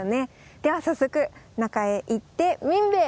では早速中へ行ってみんべぇ！